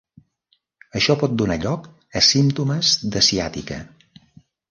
Això pot donar lloc a símptomes de ciàtica.